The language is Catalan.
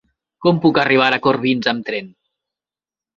Com puc arribar a Corbins amb tren?